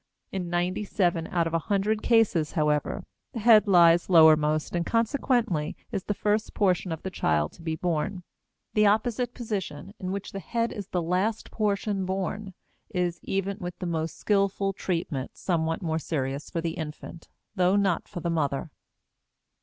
In ninety seven out of a hundred cases, however, the head lies lowermost and consequently is the first portion of the child to be born. The opposite position, in which the head is the last portion born, is, even with the most skillful treatment, somewhat more serious for the infant, though not for the mother.